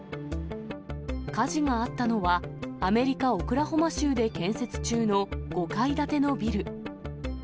火事があったのは、アメリカ・オクラホマ州で建設中の５階建てのビル。